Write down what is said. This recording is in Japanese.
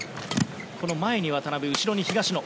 前に渡辺、後ろに東野。